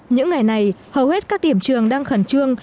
những ngày này hầu hết các điểm trường đang khẩn trương